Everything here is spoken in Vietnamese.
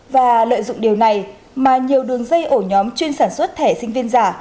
và lợi dụng điều này mà nhiều đường dây ổ nhóm chuyên sản xuất thẻ sinh viên giả